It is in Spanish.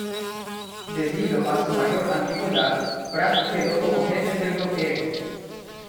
Debido a su mayor antigüedad, Prat quedó como jefe del bloqueo.